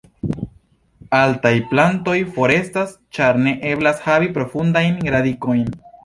Altaj plantoj forestas ĉar ne eblas havi profundajn radikojn.